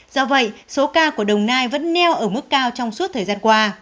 do vậy số ca của đồng nai vẫn neo ở mức cao trong suốt thời gian qua